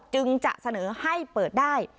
จึงจะเสนอให้เปิดได้